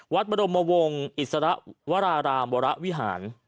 วัดบรมวงศ์อิสระวรรามวิหาร